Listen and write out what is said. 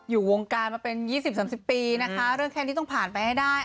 อยู่วงการมาเป็น๒๐๓๐ปีนะคะเรื่องแค่นี้ต้องผ่านไปให้ได้